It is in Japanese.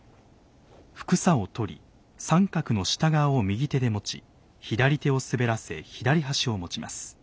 服紗を取り三角の下側を右手で持ち左手をすべらせ左端を持ちます。